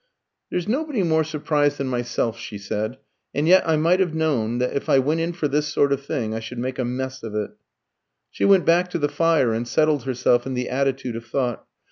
"There's nobody more surprised than myself," she said. "And yet I might have known that if I went in for this sort of thing, I should make a mess of it." She went back to the fire, and settled herself in the attitude of thought.